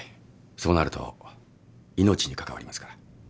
そうなると命に関わりますから。